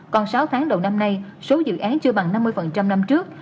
còn sáu tháng đầu năm nay số dự án chưa bằng năm mươi năm trước